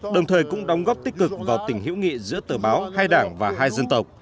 đồng thời cũng đóng góp tích cực vào tình hữu nghị giữa tờ báo hai đảng và hai dân tộc